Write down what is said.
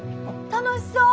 楽しそう！